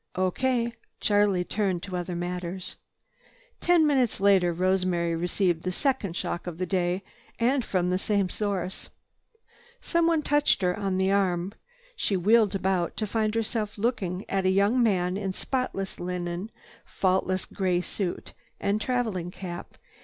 "O.K." Charlie turned to other matters. Ten minutes later Rosemary received the second shock of the day and from the same source. Someone touched her on the arm. She wheeled about to find herself looking at a young man in spotless linen, faultless gray suit and traveling cap.